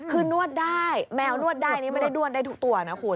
คือนวดได้แมวนวดได้นี่ไม่ได้นวดได้ทุกตัวนะคุณ